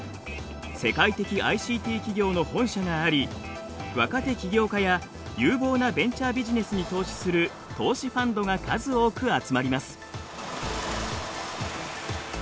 世界的ＩＣＴ企業の本社があり若手起業家や有望なベンチャービジネスに投資する投資ファンドが数多く集まります。